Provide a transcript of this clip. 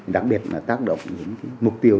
đặc biệt tác động những mục tiêu